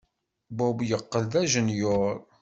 Bob yeqqel d ajenyuṛ.